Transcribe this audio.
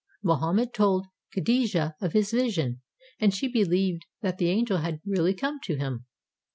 Mohammed told Kadijah of his vision, and she be lieved that the angel had really come to him.